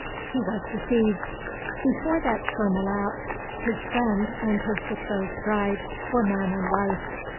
He was deceived; before that term elapsed, his friend and his betrothed bride were man and wife.